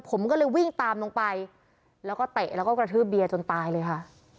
ผมก็เลยวิ่งตามลงไปแล้วก็เตะแล้วก็กระทืบเบียร์จนตายเลยค่ะ